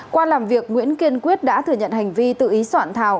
qua làm việc nguyễn kiên quyết đã thừa nhận hành vi tự ý soạn thảo